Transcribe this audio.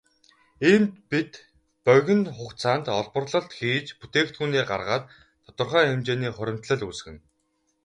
Иймд бид богино хугацаанд олборлолт хийж бүтээгдэхүүнээ гаргаад тодорхой хэмжээний хуримтлал үүсгэнэ.